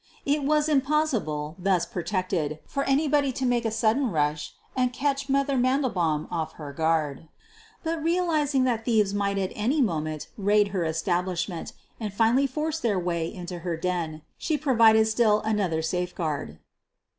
It was impos sible, thus protected, for anybody to make a sudden rush and catch "Mother" Mandelbaum off her guard. But, realizing that thieves might at any moment raid her establishment and finally force their way into her den, she provided still another safeguard.